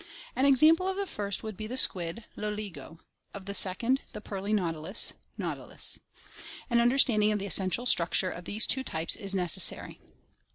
An example of the first would be the squid Loligo, of the second, the pearly nautilus, Nautilus. An understanding of the essential structure of these two types is necessary.